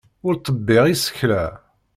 Ur ttebbiɣ isekla.